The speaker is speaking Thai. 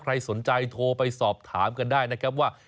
ใครสนใจโทรไปสอบถามกันได้นะครับว่า